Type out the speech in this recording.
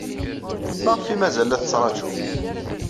Maɣef ay mazal la tettṛajum?